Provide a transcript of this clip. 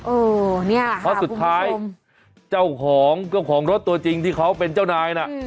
โอ้โหเนี่ยเพราะสุดท้ายเจ้าของเจ้าของรถตัวจริงที่เขาเป็นเจ้านายน่ะ